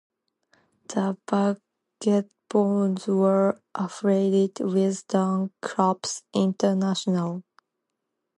The Vagabonds were affiliated with Drum Corps International.